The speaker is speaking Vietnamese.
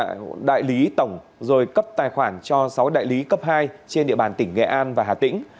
các đối tượng đã tạo đại lý tổng rồi cấp tài khoản cho sáu đại lý cấp hai trên địa bàn tỉnh nghệ an và hà tĩnh